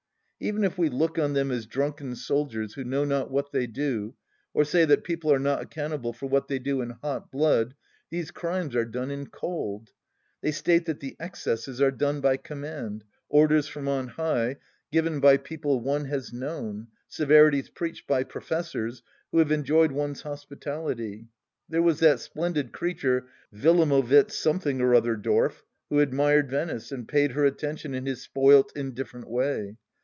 Even if we look on them as drunken soldiers who know not what they do ... or say that people are not accountable for what they do in hot blood, these crimes are done in cold ! They state that the excesses are done by command — orders from on high, given by people one has known, severities preached by professors who have enjoyed one's hospitality. There was that splendid creature Willamowitz Something or other dorf, who admired Venice, and paid her attention in his spoilt, indifferent way.